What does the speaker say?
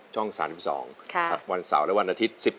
ช่อง๓๒วันเสาร์และวันอาทิตย์